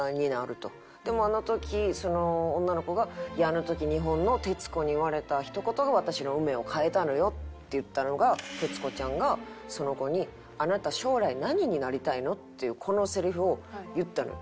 でもあの時その女の子が「いやあの時日本の徹子に言われたひと言が私の運命を変えたのよ」って言ったのが徹子ちゃんがその子に「あなた将来何になりたいの？」っていうこのせりふを言ったのよ。